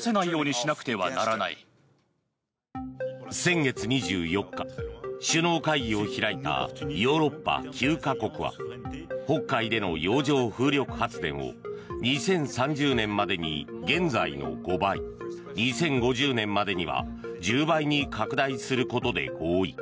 先月２４日、首脳会議を開いたヨーロッパ９か国は北海での洋上風力発電所を２０３０年までに現在の５倍２０５０年までには１０倍に拡大することで合意。